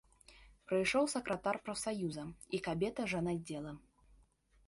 Прыйшоў сакратар прафсаюза і кабета жанаддзела.